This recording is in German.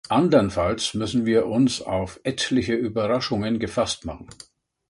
Andernfalls müssen wir uns auf etliche Überraschungen gefasst machen.